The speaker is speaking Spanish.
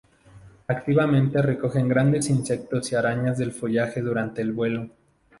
Activamente recogen grandes insectos y arañas del follaje durante el vuelo.